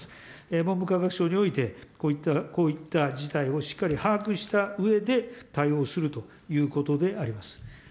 文部科学省において、こういった事態をしっかり把握したうえで対応するということであります。